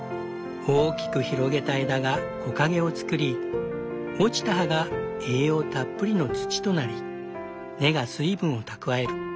大きく広げた枝が木陰をつくり落ちた葉が栄養たっぷりの土となり根が水分を蓄える。